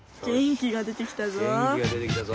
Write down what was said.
元気がでてきたぞ！